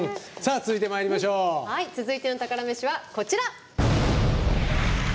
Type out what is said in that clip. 続いての宝メシは、こちら。